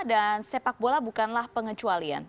dan sepak bola bukanlah pengecualian